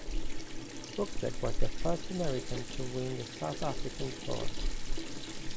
Buczek was the first American to win on the South African Tour.